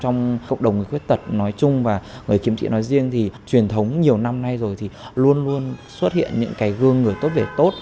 trong cộng đồng người khuyết tật nói chung và người khiếm thị nói riêng thì truyền thống nhiều năm nay rồi thì luôn luôn xuất hiện những cái gương người tốt việc tốt